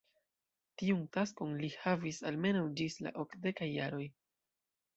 Tiun taskon li havis almenaŭ ĝis la okdekaj jaroj.